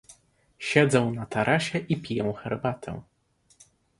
Siedzę na tarasie i piję herbatę.